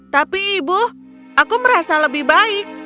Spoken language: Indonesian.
tapi ibu aku merasa lebih baik